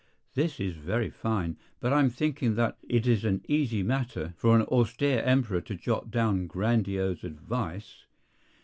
This is very fine, but I am thinking that it is an easy matter for an austere emperor to jot down grandiose advice.